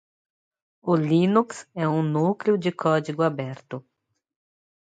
O Linux é um núcleo de código aberto.